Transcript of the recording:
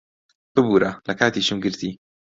ببوورە، لە کاتیشم گرتی.